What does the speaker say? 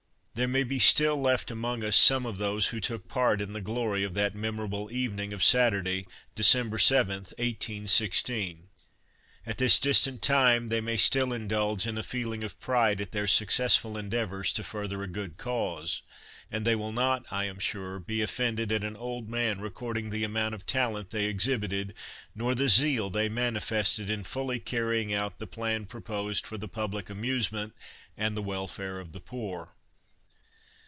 There may be still left amongst us some of those who took part in the glory of that memorable evening of Saturday, December 7, 1816. At this distant time, they may still indulge in a feeling of pride at their successful endeavours to further a good cause, and they will not, I am sure, be offended at an old man recording the amount of talent they exhibited, nor the zeal they manifested in fully carrying out the plan proposed for the public amusement and the welfare of the poor.